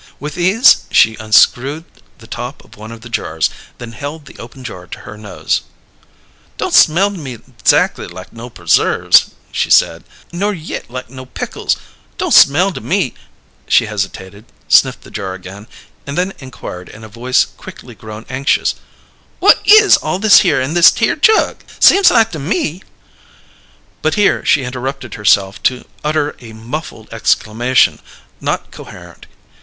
With ease she unscrewed the top of one of the jars; then held the open jar to her nose. "Don't smell to me exackly like no pusserves," she said. "Nor yit like no pickles. Don't smell to me " She hesitated, sniffed the jar again, and then inquired in a voice quickly grown anxious: "Whut is all thishere in thishere jug? Seem like to me " But here she interrupted herself to utter a muffled exclamation, not coherent.